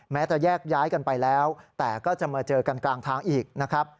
จะแยกย้ายกันไปแล้วแต่ก็จะมาเจอกันกลางทางอีกนะครับ